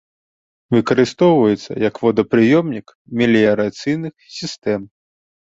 Выкарыстоўваецца як водапрыёмнік меліярацыйных сістэм.